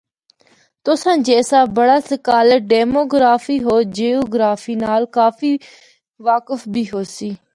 تساں جیسا بڑا سکالر ڈیموٖگرافی ہو جیوگرافی نال کافی واقف بھی ہوسی۔